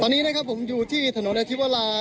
ตอนนี้นะครับผมอยู่ที่ถนนอธิวรา